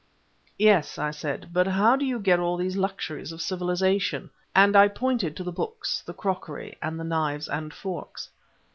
"Yes," I said, "but how do you get all these luxuries of civilization?" and I pointed to the books, the crockery, and the knives and forks.